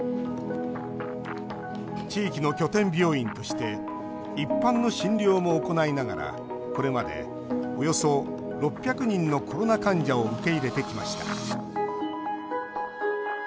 地域の拠点病院として一般の診療も行いながらこれまで、およそ６００人のコロナ患者を受け入れてきました。